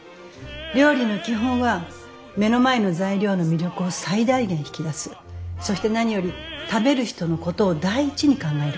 料理の基本は目の前の材料の魅力を最大限引き出すそして何より食べる人のことを第一に考えること。